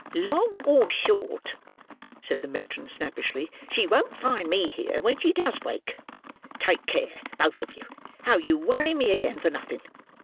"Long or short," said the matron, snappishly, "she won't find me here when she does wake; take care, both of you, how you worry me again for nothing.